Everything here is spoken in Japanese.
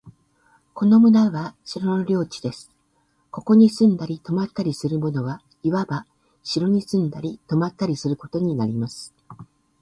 この村は城の領地です。ここに住んだり泊ったりする者は、いわば城に住んだり泊ったりすることになります。